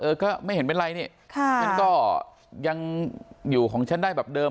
ก็ไม่เห็นเป็นไรนี่ฉันก็ยังอยู่ของฉันได้แบบเดิม